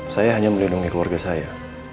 saya hanya melindungi keluarga saya